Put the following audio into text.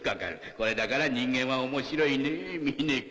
これだから人間は面白いねぇ峰君。